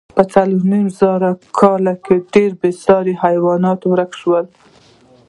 په څلورو نیم زره کلو کې ډېری بېساري حیوانات ورک شول.